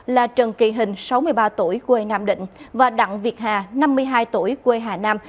là trần kỳ hình sáu mươi ba tuổi quê nam định và đặng việt hà năm mươi hai tuổi quê hà nam